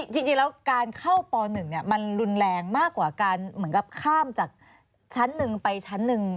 จริงแล้วการเข้าป๑มันรุนแรงมากกว่าการข้ามจากชั้น๑ไปชั้น๑